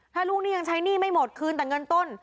ถ้าลูกหนี้ยังใช้หนี้ไม่หมดคืนแต่เงินต้น